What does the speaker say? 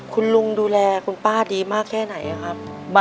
คุณลุงดูแลคุณป้าดีมากแค่ไหนครับ